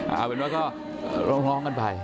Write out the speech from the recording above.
เอาเป็นว่าก็ร้องกันไป